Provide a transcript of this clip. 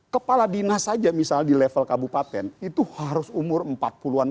kepala dinas saja misalnya di level kabupaten itu harus umur empat puluh an empat puluh an lima puluh an